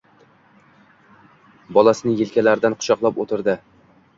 Bolasini yelkalaridan quchoqlab o‘tirdi.